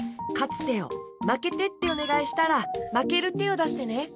まけてっておねがいしたらまけるてをだしてね。